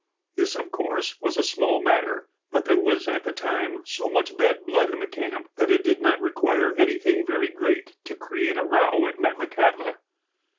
This, of course, was a small matter, but there was at the time so much bad blood in the camp that it did not require anything very great to create a row at Metlakahtla.